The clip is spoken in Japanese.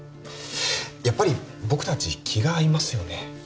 やっぱり僕達気が合いますよね